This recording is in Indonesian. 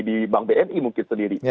di bank bni mungkin sendiri